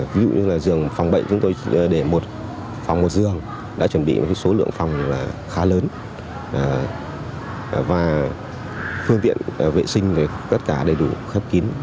ví dụ như là giường phòng bệnh chúng tôi để một phòng một giường đã chuẩn bị một số lượng phòng khá lớn và phương tiện vệ sinh tất cả đầy đủ khép kín